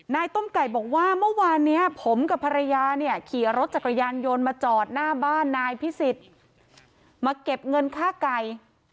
ต้มไก่บอกว่าเมื่อวานนี้ผมกับภรรยาเนี่ยขี่รถจักรยานยนต์มาจอดหน้าบ้านนายพิสิทธิ์มาเก็บเงินค่าไก่